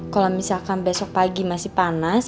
kalau misalkan besok pagi masih panas